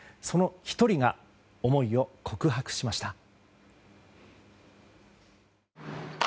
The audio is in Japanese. その１人が思いを告白しました。